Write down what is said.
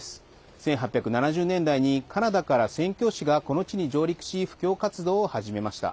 １８７０年代にカナダから宣教師がこの地に上陸し布教活動を始めました。